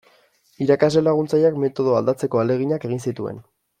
Irakasle laguntzaileak metodoa aldatzeko ahaleginak egin zituen.